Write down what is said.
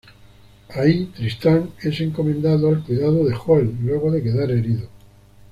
Ahí, Tristán es encomendado al cuidado de Hoel luego de quedar herido.